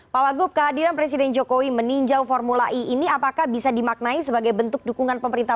pak wagub kehadiran presiden jokowi meninjau formula e ini apakah bisa dimaknai sebagai bentuk dukungan pemerintah